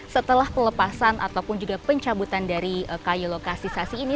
setelah pelepasan ataupun juga pencabutan dari kayu lokasi sasi ini